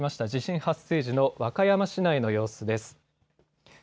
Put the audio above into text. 地震発生時の和歌山市内の様子です。